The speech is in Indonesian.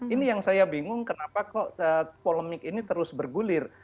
ini yang saya bingung kenapa kok polemik ini terus bergulir